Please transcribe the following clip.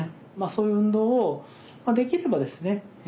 そういう運動をできればですね